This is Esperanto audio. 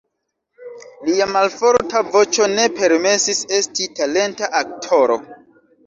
Lia malforta voĉo ne permesis esti talenta aktoro.